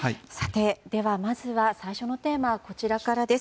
まずは、最初のテーマこちらからです。